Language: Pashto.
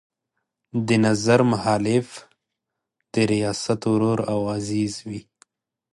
د نظر مخالف د ریاست ورور او عزیز وي.